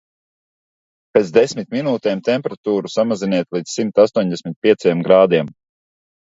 Pēc desmit minūtēm temperatūru samaziniet līdz simt astoņdesmit pieciem grādiem.